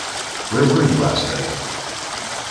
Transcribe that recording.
Where were you last night?